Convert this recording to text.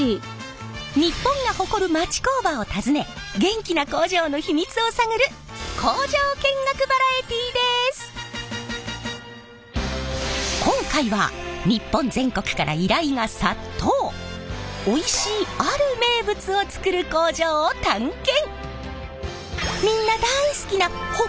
日本が誇る町工場を訪ね元気な工場の秘密を探る今回はおいしいある名物を作る工場を探検！